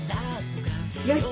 よし。